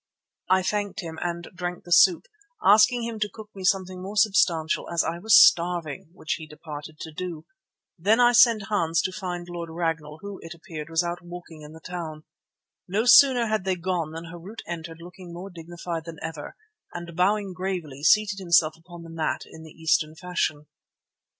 I thanked him and drank the soup, asking him to cook me something more substantial as I was starving, which he departed to do. Then I sent Hans to find Lord Ragnall, who it appeared was out walking in the town. No sooner had they gone than Harût entered looking more dignified than ever and, bowing gravely, seated himself upon the mat in the Eastern fashion.